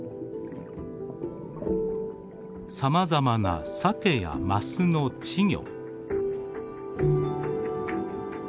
さまざまなサケやマスの稚魚。